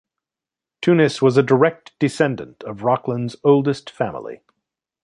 Tunis was a direct descendant of Rockland's oldest family.